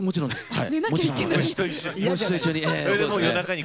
はい。